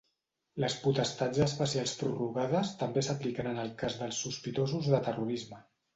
Les potestats especials prorrogades també s'apliquen en el cas dels sospitosos de terrorisme.